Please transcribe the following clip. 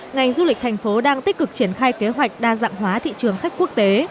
ngành du lịch thành phố đang tích cực triển khai kế hoạch đa dạng hóa thị trường khách quốc tế